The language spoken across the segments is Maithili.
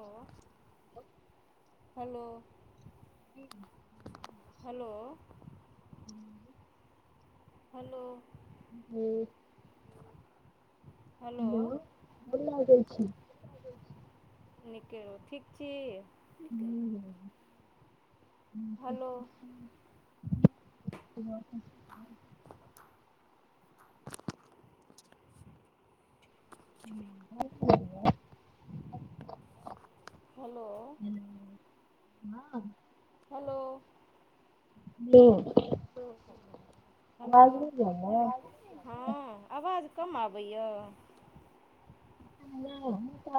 ओ ह हेलो हेलो हूँ [inaudible] हेलो हुँ हेलो नीके रहु ठीक छी ह [inaudible] [unintelligible] ह [inaudible] हेलो हँ हेलो ह आवाज ने जाय हइ हँ आवाज कम आबैए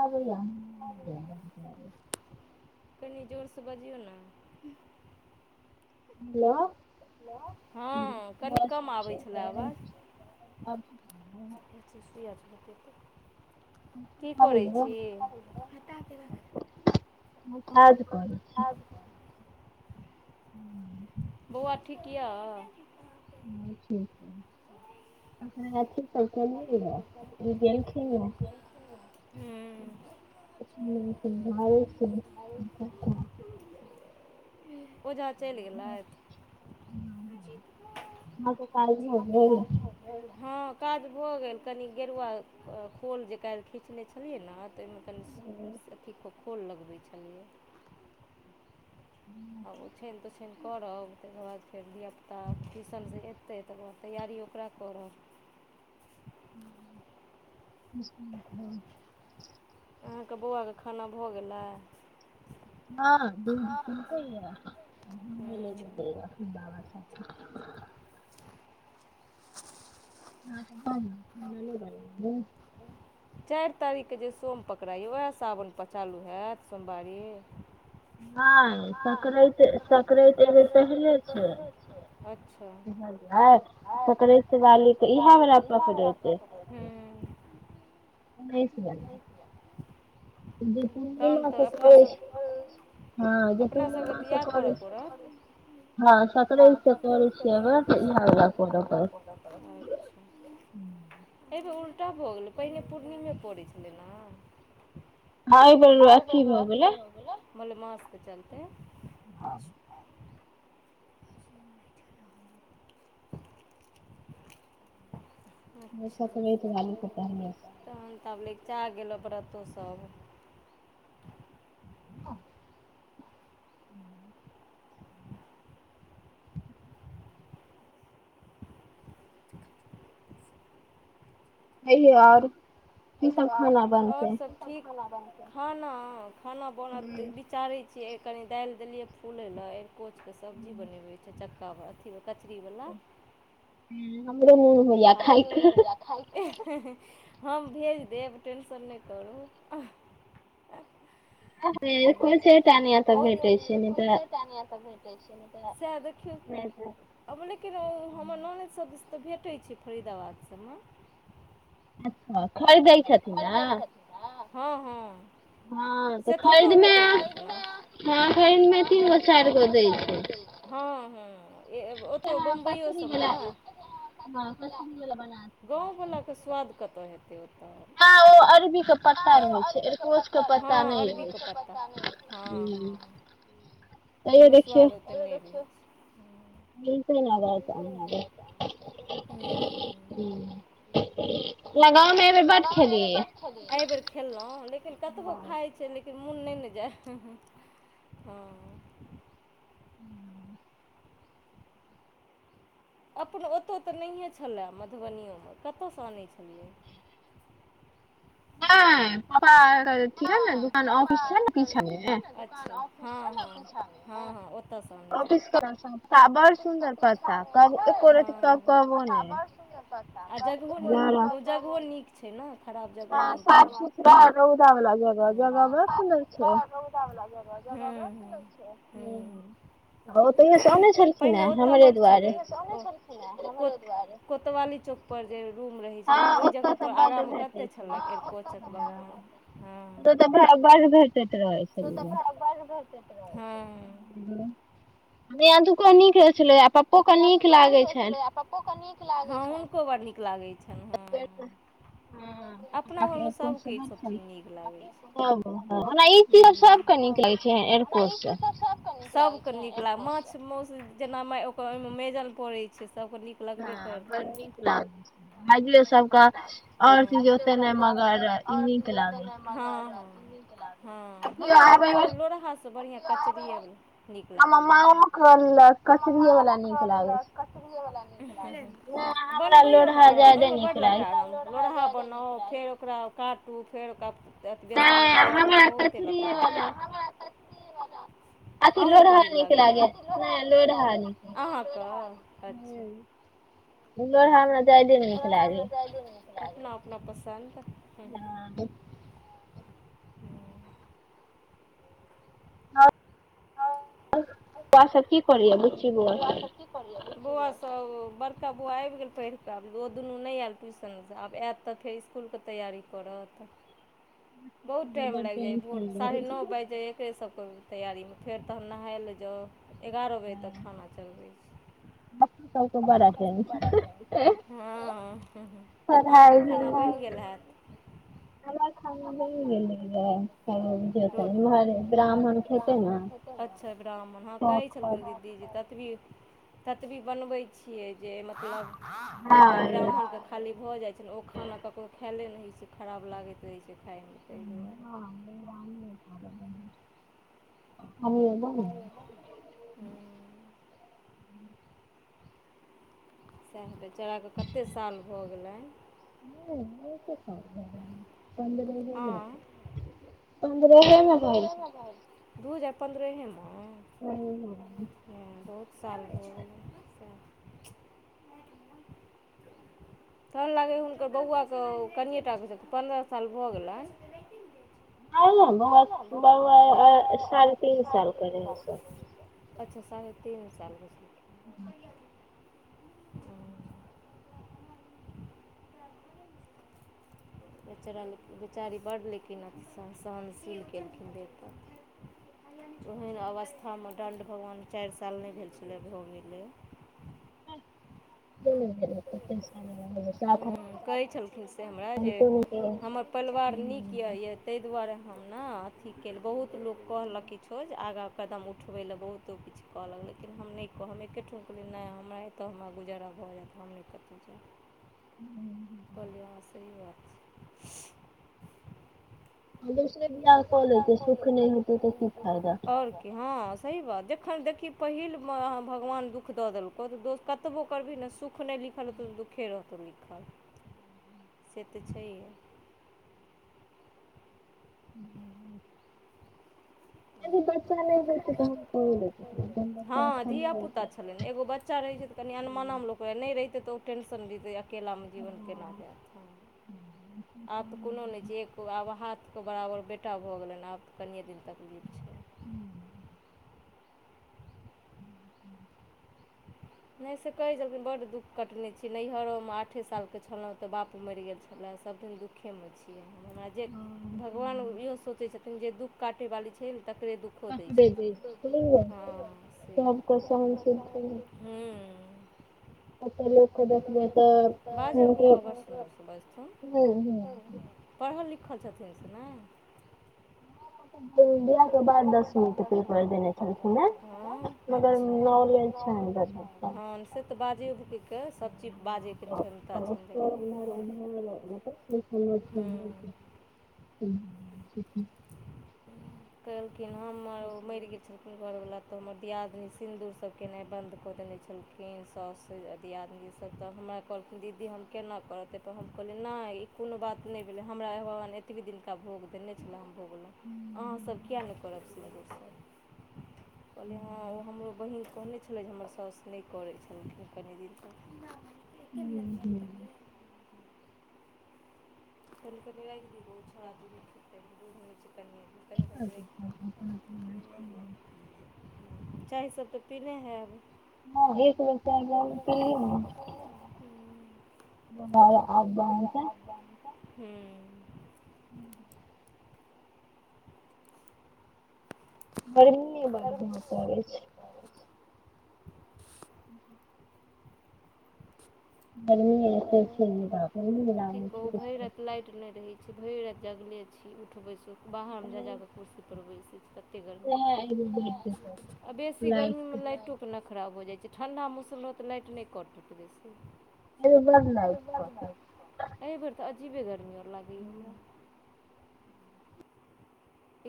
आब य कनि जोरसँ बजियौ ने हेलो च ह [inaudible] सृसी आजत [unintelligible] की करै छी हटा के रख ह काज करै छी [inaudible] बौआ ठीक यऽ ह ठीक गेलखिन हन र [unintelligible] ओझा चइल गेलथ अहाँ के काज नय भेल हँ काज भऽ गेल कनि गेरुआ खोल जे काल्हि खीचने छलियै ने तऽ ओहि मे कनी अथी के खोल लगबै छलियै आब ओछइन तोछाइन करब तकर बाद फेर धियापुता ट्यूशन से एयतै तऽकर बाद तैयारी ओकरा करऽब [unintelligible] अहाँ के बौआ के खाना भऽ गेलै हँ सुतेया ह ल ब [unintelligible] अहाँ के भ गेल - चारि तारीखकेँ जे सोम पकड़ाइए उएह सावनपर चालू हैत सोमवारी हाँ संक्रईत संक्रईत मे कहने छै अच्छा हाँ पकड़य बाली तऽ इएहवला पकड़ै छै न सुनाल तहन तऽ अपना सब अपना सभके तऽ इएह करय पड़त हँ साकरैत से करई छिए वेह कर परत ने एहिबेर उल्टा भऽ गेलै पहिने पूर्णिमे पड़ै छलै ने ह अहि बेर अथी भ गेलए मलेमास के चलते हँ ह्म वसा तऽ वह तऽ भालू पता है तहन त आब लगचा गेलऽ व्रतो सब ओ कहियो और ओर सब ठीक खाना खाना बनत बिचारै छी कनि दालि देलियै फुलै लए अरकोचके सब्जी बनेबई चक्का भर कचरीवला ह हमरो मोन होई ए ह खा हम भेज देब टेन्शन नहि करू ह बहुत दू इु छै भटै छै [unintelligible] सएह देखियौ अब लेकिन हमर ननिद सब किछ तऽ भेटै छै फरीदाबाद सब मे अच्छा खरीदै छथिन या हँ हँ से तऽ ओतहु भेटैत हेथि ने हँ हँ ओ तौ बम्बयो सम ने गाम वला के स्वाद कतऽ हेतै ओत ह ओ अरबी क पत्ता रहै छै अर्कोच के पत्ता नहि रहै छै ओहिमे स्वाद ओते नै छै। लग ह्म लगाम अई बेर ब‌ड्ड एहि बेर खेल‌ऊं लेकिन कतबो खाइत छै लेकिन मोन नहि ने जाय हँ हं हँ [inaudible] अपन ओतो तऽ नहिए छलए मधुबनिओमे कत सँ आनै छलियै नाहि पापा नहिं पापा के अथी छै ने दुकान ऑफिस ‌‌छै न पीछा में हं ओतय स आनय छथिन। ऑफिस के पीछा मे छै हं पापा बड़ सुन्दर पता आ जगहो नीक ओ जगहो नीक छै ने खराब जगहो नहि छै र‌उदा वला जगह जगह बड़ सुन्दर छै चावला जर छै ह पहिले ओत बड्ड छलै एलखिन्हा हमरे दुआरे कोतवाली चौक पर जे रूम रहै छलै ओहि जगह पर आगा में कते छलैक कोचक बनाएल। तु तऽ भाई बर भेट से त रहै छै तो तऽ भाई बर भेटैत रहै छै हं हेलो नहि दुको नीक रहै छलै आ पप्पोके नीक लागैत छनि प्पो के नीक लागैत छैन ह हुनको बड़ नीक लागैत छनि ह फेर त हँ अहां के अरिकोंच सेहो छै हं ओना इ कियो सबके नीक लागैत छै एकोच स सब के नीक लाग माछ मौउस जेना ओहिमे मेजन प‌ड़य छै सबके निक हँ बड़ नीक लागय छै भाईजियो सब आओर चीज ओते नै मगर ई नीक लागैया हँ हँ हमरा लेकिन ओ लोरहासँ बढ़िआँ कचरीएै नीक लागैया हमर मांओं के बड़ नीक लागैत जय कच फुलिएवला नीक लागैय छै बनबैयो में अराम आई लोरहा लोरहा बनाउ फेर ओकरा काटू फेर ओकरा तऽ बेसनमे तरू बहुते लटारहम नै हमरा त अथी लोरहा नीक लागैया नहि लोरहा नीक लोरहा हमरा जादे नीक लागैया अपना अपना पसन्द हं हं हं और सब की करय या बुच्ची बौआ सब की करैया बुच्ची बौआ सब बड़का बौआ आबि गेल पढि कऽ ओ दुनू नहि आयला ट्यूशन स आब आयत तऽ फेर स्कूलके तैयारी करत बहुत टाइम लागि जाइया भोर साढ़े नौ बाजि जाइ फेर सब करू तैयारीमे फेर तहन नहाय लए जाउ एगारह बजे तक खाना चढ़बै छी हं अं हंहं पढ़ाई खाना बनि गेलै रह इमहर ब्राह्मण खेतै ने अच्छा ब्राह्मण हँ कहै छलखिन्ह दीदी इ जे ततबी ततबी बनबै छियै जे मतलब हुनका ब्राह्मण के त खाली भऽ जाइ छैन ओ खाना ककरो खाइले नहि होइ छै खराब लागैत रहै छै खाइमे ताहि दुआरे हँ राम नहि च आ लब हँ सए बेचारा कऽ कतेक साल भऽ गेलै नहि ओ त पन्दर द रहतै पन्द्रहेमे दू हजार पन्द्रहेमे ह बहुत साल भऽ गेलै सहन लागै हइ हुनकर बौआके कनिए टाक कह छै पन्द्रह साल भऽ गेलनि ह न ब साल तस साल प छै [unintelligible] अच्छा साढ़े तीन साल ब ह बेचारलिन बेचारी बड्ड लखिन अ सहन सहनशील केलखिन देतर ओहन अवस्थामे दण्ड भगवान चारि साल नहि भेल छलै भ गेलै ब भेल ओतेक कहै छलखिन से हमरा जे हमर परिवार नीक यऽ ताहि दुआरे हम ने अथी कल बहुत लोक कहलक किछु जे आगाँ कदम उठबै लए बहुतो किछु कहलक लेकिन हम नहि कहब हम एकेठम कहलियै नहि हमरा एतऽ हमरा गुजारा भऽ जायत मम्मी कथ छै ह कलशीव आ आओरी ह सही बात जखन देखही पहिलमे भगवान दुःख दऽ देलकौ तऽ दोस कतबो करबिही ने सुख नहि लिखल रहतौ तऽ दुखे रहतौ लिखल से तऽ छैहे [unintelligible] [unintelligible] बच्चा नहि रहतै तऽ तऽ हम कऽ ओ देतियै नहि रहितै तऽ ओ टेन्शन रहतै अकेलामे जीवन केना जैत [inaudible] आब तऽ कोनो नहि छै एक आब हाथके बराबर बेटा भऽ गेलनि आब तऽ कनिये दिन तकलीफ छै [unintelligible] [inaudible] नहि से कहे छलखिन बड दुख कटने छी नैहरो मे आठे साल के छलौ ते बाप मरि गेल छलै सब दिन दुख दुखेमे छियै हमरा जे भगवान इहो सो चै छथिन जे दुःख काटै वाली छै ने तकरे दुःख खो दै छथिन ह से हू बाजअ भुकअ बड सुन्दर सँ बाजथुन पढ़ल लिखल छथिन से नहि अच्छा ह से तऽ बाजैयौ भुकैय के सभचीज बाजैके जरूता छलै [unintelligible] कहलखिन हमर मरि गेल छलखिन घरवला तऽ हमर दियादनी सिन्दूर सब केनाइ बन्द कऽ देने छलखिन साउस दियादनी सब तऽ हमरा कहलखिन दीदी हम केना करब तऽ तऽ हम कहलियै नहि ई कोनो बात नहि भेलै हमरा भगवान एतबे दिनका भोग देने छला तऽ हम भोगलौं अहाँसभ किएक नहि करब सिंदुर सब कहलियै हँ ओ हमरो बहिन कहने छल जे हमर साउस नहि करै छलखिन कनि दिन तक [unintelligible] [unintelligible] चाय सभ तऽ पीने हैब हँ एक बेर चाय पीलियै हन बुझाय यै आब [unintelligible] हू [unintelligible] गरमी बड पड़ै छै [unintelligible] गर्मीए की कहु भरि राति लाइट नहि रहैत छै भरि राति जगले छी उठबैस बाहरमे जा जाकऽ कुर्सी परबैसल छी कते गर्मी आ बेसी गर्मीमे लाइटो ना खराब हो जाइ छै ठण्डा मौसम रहत तऽ लाइट नहि कटत बेसी एगो बारने एहि बेर तऽ अजीबे गर्मी लागै यै हमरा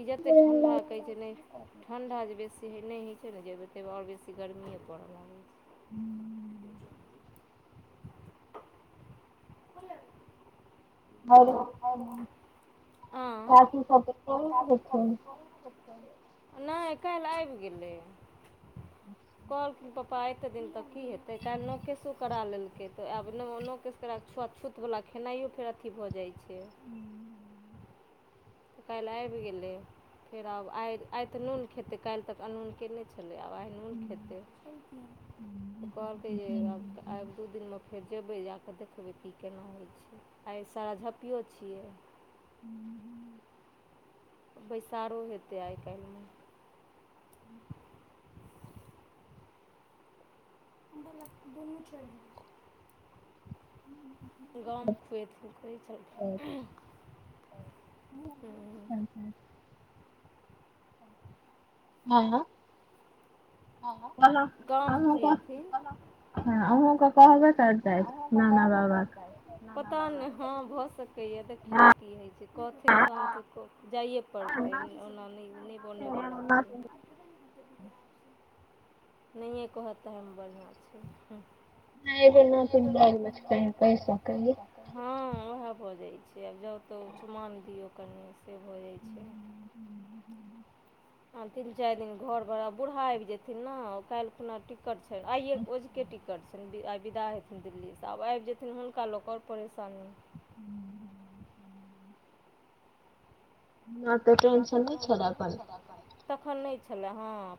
ई जते ठंडा कहै छै ने ठंडा जे बेसी ह नहि है छै ने जै बेर तऽ आओर बेसी कि गर्मिए पड़ऽ लागल [inaudible] हेलो हेलो [unintelligible] नहि काल्हि आबि गेलै कहलखिन पप्पा एतेक दिन तऽ की हेतै काल्हि नोकसो करा लेलकै तऽ आब ने नोकस कराकऽ छुत छूतवला खेनाइयो फेर अथी भऽ जाइ छै काल्हि आबि गेलै फेर आब आइ आइ तऽ नून खेतै काल्हि तक आनूनके नहि छलै आब आय नुन खेतैय त कहलके जे आब दु दिन मे फेर जेबै जाकऽ देखबै कि केना होइ छै आइ सारा झपियओ छियै हूँ हुँ बैसारो हेतै आइ काल्हिमे हम दुनू चल हूँ गाँवमे खुअते तय चलते ह छै [inaudible] हँँ गाम खुएथिन अन्हु के कहबे करतै पतऽ नहि हँ भऽ सकै कैया देखियौ की होइ छै कहथिन तहन तऽ कह जाइए पड़तै ओना नहि नहि बनैवला छै नहिए कहत तऽमे बढ़िआँ छै नहि खूब भाग पैसा हँ ओएह भऽ जाइत छै आब जउ तऽ चुमाओ दियौ कनि से भऽ जाइ छै हूँ हू आ तीन चारि दिन घर बड़ बूढ़ा आबि जेथिन ने काल्हि खुना टि टिकट छै आ ओजके टिकट छै आइ विदाहेथिन दिल्लीसँ आब आबि जेथिन हुनका लोक आओर परेशानी ह तऽ [inaudible] आब तऽ टेंशन नहि छलए तखन नहि छलए हँ